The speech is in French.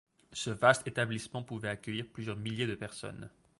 Ce vaste établissement pouvait accueillir plusieurs milliers de personnes.